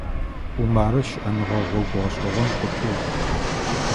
Умарэ щыӀэныгъэ гъогу гъэшӀэгъон къыкӀугъ.